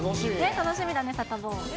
楽しみだね、サタボー。